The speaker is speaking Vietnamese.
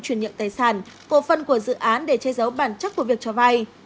chuyển nhận tài sản cổ phần của dự án để chế giấu bản chất của việc cho vay